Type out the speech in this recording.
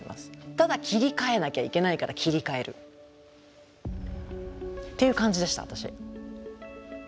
ただ切り替えなきゃいけないから切り替える。っていう感じでした私。